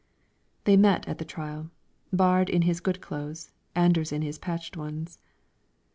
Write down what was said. They met at the trial; Baard in his good clothes, Anders in his patched ones.